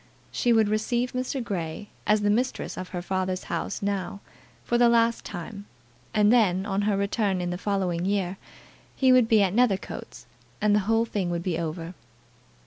She would receive Mr. Grey as the mistress of her father's house now, for the last time; and then, on her return in the following year, he would be at Nethercoats, and the whole thing would be over.